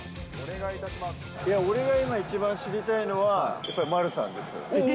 俺が今一番知りたいのは、丸さん？